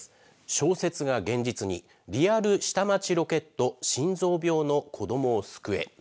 小説が現実にリアル下町ロケット心臓病の子どもを救え！。